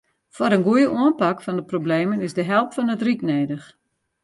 Foar in goeie oanpak fan de problemen is de help fan it ryk nedich.